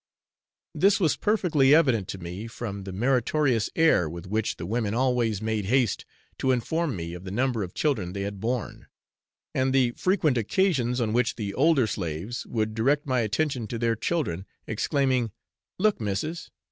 This was perfectly evident to me from the meritorious air with which the women always made haste to inform me of the number of children they had borne, and the frequent occasions on which the older slaves would direct my attention to their children, exclaiming, 'Look, missis!